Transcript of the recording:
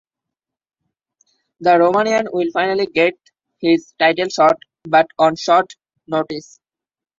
The Romanian will finally get his title shot but on short notice.